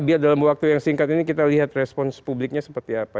biar dalam waktu yang singkat ini kita lihat respons publiknya seperti apa